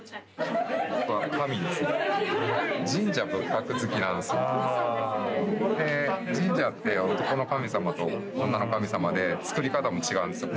神社って男の神様と女の神様で造り方も違うんですよ